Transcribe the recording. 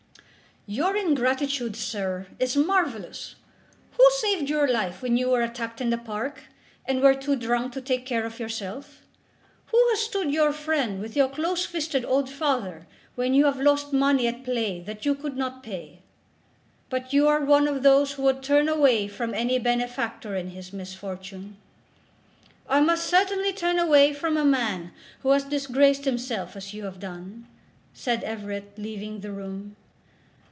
"Your ingratitude, sir, is marvellous! Who saved your life when you were attacked in the park, and were too drunk to take care of yourself? Who has stood your friend with your close fisted old father when you have lost money at play that you could not pay? But you are one of those who would turn away from any benefactor in his misfortune." "I must certainly turn away from a man who has disgraced himself as you have done," said Everett, leaving the room.